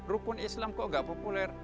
rukun islam kok gak populer